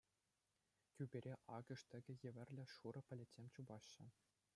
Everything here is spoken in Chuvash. Тӳпере акӑш тӗкӗ евӗрлӗ шурӑ пӗлӗтсем чупаҫҫӗ.